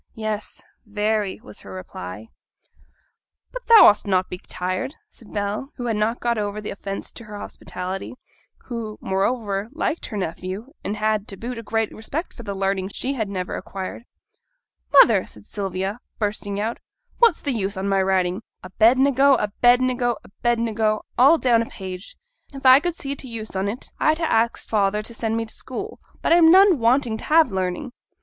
'Yes, very,' was her reply. 'But thou ought'st not to be tired,' said Bell, who had not yet got over the offence to her hospitality; who, moreover, liked her nephew, and had, to boot, a great respect for the learning she had never acquired. 'Mother!' said Sylvia, bursting out, 'what's the use on my writing "Abednego," "Abednego," "Abednego," all down a page? If I could see t' use on 't, I'd ha' axed father to send me t' school; but I'm none wanting to have learning.'